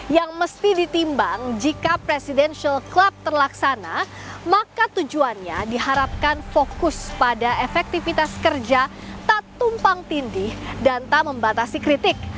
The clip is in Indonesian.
yang mesti ditimbang jika presidential club terlaksana maka tujuannya diharapkan fokus pada efektivitas kerja tak tumpang tindih dan tak membatasi kritik